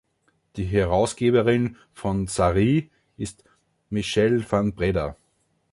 Die Herausgeberin von „Sarie“ ist Michelle van Breda.